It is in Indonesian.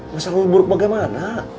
masalah lu buruk bagai mana